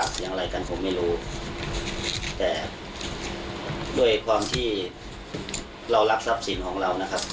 ก็ไม่ค่อยนุ่มแล้วแต่ด้วยความที่เรารับทรัพย์สินของเราน่ะคับ